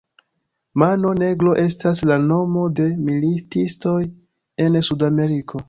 Mano Negro estas la nomo de militistoj en Sudameriko.